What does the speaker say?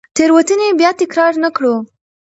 تېروتنې بیا تکرار نه کړو.